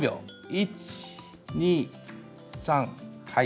１、２、３。